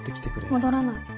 戻らない。